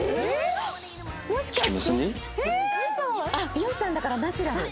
美容師さんだからナチュラル。